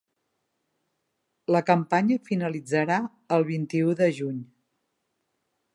La campanya finalitzarà el vint-i-u de juny.